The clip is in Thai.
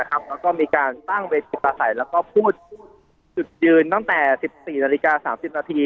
แล้วก็มีการตั้งเวทีประสัยแล้วก็พูดจุดยืนตั้งแต่๑๔นาฬิกา๓๐นาที